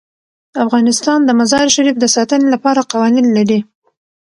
افغانستان د مزارشریف د ساتنې لپاره قوانین لري.